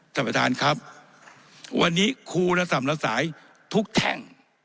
ท่านประธานครับวันนี้ครูระส่ำละสายทุกแท่ง